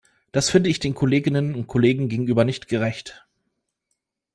Das finde ich den Kolleginnen und Kollegen gegenüber nicht gerecht!